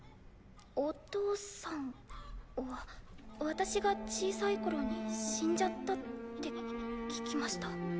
お父さんは私が小さい頃に死んじゃったって聞きました。